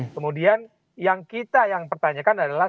kemudian yang kita yang pertanyakan adalah